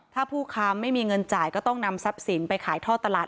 ถ้าผู้ค้าไม่มีเงินจ่ายก็ต้องนำทรัพย์สินไปขายท่อตลาด